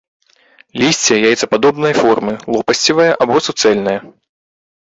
Лісце яйцападобнай формы, лопасцевае або суцэльнае.